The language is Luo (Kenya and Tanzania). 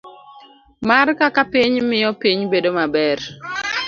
A. mar Kaka Piny Miyo Piny Bedo Maber